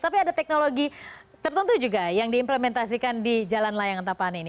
tapi ada teknologi tertentu juga yang diimplementasikan di jalan layang antapani ini